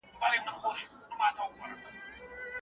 د قانون سرغړونه يې نه زغمله.